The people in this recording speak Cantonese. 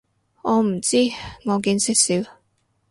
我唔知，我見識少